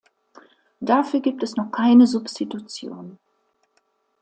Dafür gibt es noch keine Substitution.